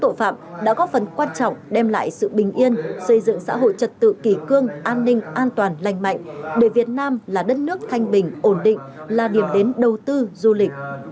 tội phạm đã góp phần quan trọng đem lại sự bình yên xây dựng xã hội trật tự kỳ cương an ninh an toàn lành mạnh để việt nam là đất nước thanh bình ổn định là điểm đến đầu tư du lịch